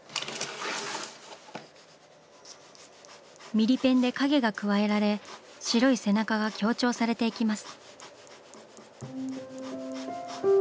ミリペンで影が加えられ白い背中が強調されていきます。